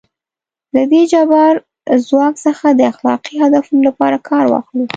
له دې جبار ځواک څخه د اخلاقي هدفونو لپاره کار واخلو.